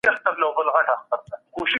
افغانستان ډېر ښکلي باغونه لري